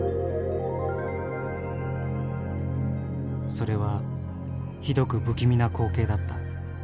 「それはひどく不気味な光景だった。